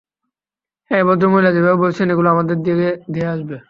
হ্যাঁ, এই ভদ্র মহিলা যেভাবে বলেছেন, ওগুলো আমাদের দিকে ধেয়ে আসবে!